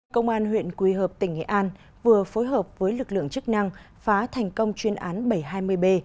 công an huyện quỳ hợp tỉnh nghệ an vừa phối hợp với lực lượng chức năng phá thành công chuyên án bảy trăm hai mươi b